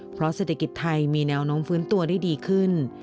เพราะเศรษฐกิจไทยมีแนวโน้มฟื้นตัวได้ดีขึ้น